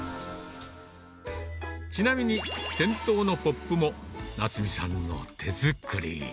ちなみに、店頭のポップも奈津実さんの手作り。